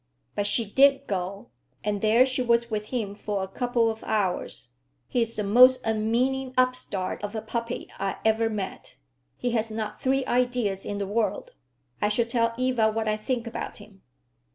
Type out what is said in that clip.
"But she did go; and there she was with him for a couple of hours. He's the most unmeaning upstart of a puppy I ever met. He has not three ideas in the world. I shall tell Eva what I think about him."